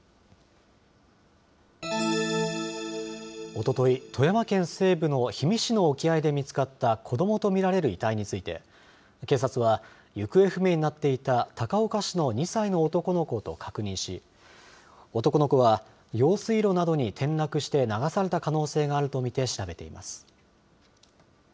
おととい、富山県西部の氷見市の沖合で見つかった子どもと見られる遺体について、警察は、行方不明になっていた高岡市の２歳の男の子と確認し、男の子は用水路などに転落して流された可能性があると見て調べています。